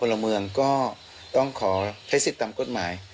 และในฐะนะกลมืองก็ต้องขอใช้สิทธิ์ตามกฎหมาย